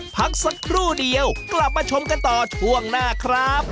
พักสักครู่เดียวกลับมาชมกันต่อช่วงหน้าครับ